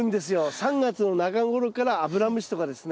３月の中頃からアブラムシとかですね。